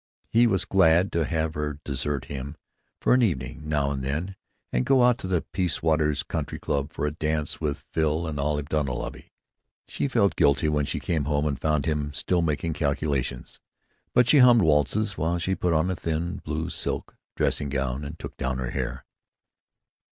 He was glad to have her desert him for an evening now and then and go out to the Peace Waters Country Club for a dance with Phil and Olive Dunleavy. She felt guilty when she came home and found him still making calculations. But she hummed waltzes while she put on a thin, blue silk dressing gown and took down her hair.